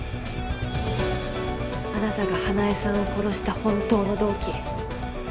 あなたが花恵さんを殺した本当の動機。